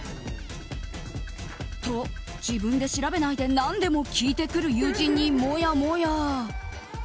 と、自分で調べないで何でも聞いてくる友人にもやもや。